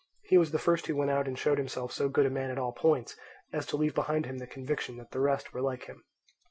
He was the first who went out and showed himself so good a man at all points as to leave behind him the conviction that the rest were like him.